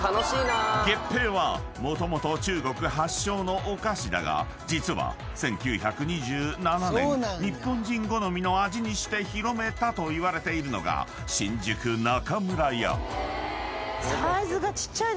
［月餅はもともと中国発祥のお菓子だが実は１９２７年日本人好みの味にして広めたといわれているのが「新宿中村屋」］